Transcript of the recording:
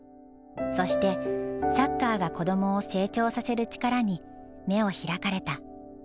そしてサッカーが子どもを成長させる力に目を開かれた。